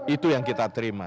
itu yang kita terima